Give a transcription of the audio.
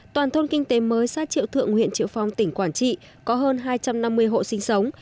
toàn thôn kinh tế mới xã triệu thượng huyện triệu phong tỉnh quảng trị có hơn hai trăm năm mươi hộ sinh sống